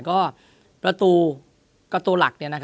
ก็ประตูหน้าตัวตัวหลักเนี่ย